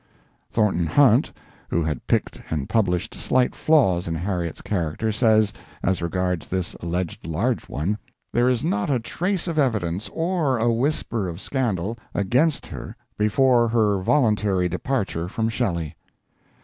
Thornton Hunt, who had picked and published slight flaws in Harriet's character, says, as regards this alleged large one: "There is not a trace of evidence or a whisper of scandal against her before her voluntary departure from Shelley."